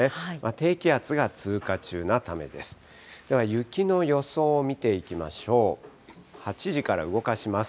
低気圧が通過中なためです。